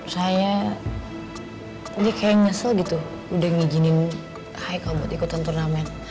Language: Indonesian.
saya ini kayak nyesel gitu udah ngijinin hai kamu ikutan turnamen